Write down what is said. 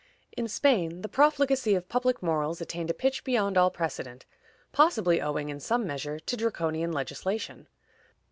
In Spain, the profligacy of public morals attained a pitch beyond all precedent, possibly owing, in some measure, to Draconian legislation.